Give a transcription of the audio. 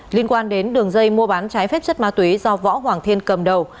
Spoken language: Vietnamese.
liên quan đến đường dây mua bán trái phép chất ma túy do võ hoàng thiên cầm đầu